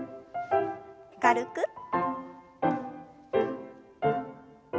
軽く。